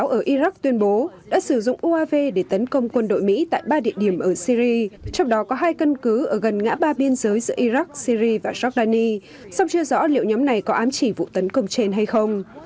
tổng thống mỹ joe biden tuyên bố đã sử dụng uav để tấn công quân đội mỹ tại ba địa điểm ở syri trong đó có hai căn cứ ở gần ngã ba biên giới giữa iraq syri và giordani sau chưa rõ liệu nhóm này có ám chỉ vụ tấn công trên hay không